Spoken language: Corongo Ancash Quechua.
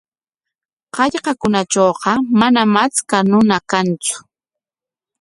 Hallqakunatrawqa manam achka runa kantsu.